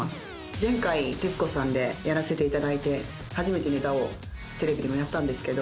前回徹子さんでやらせていただいて初めてネタをテレビでもやったんですけど。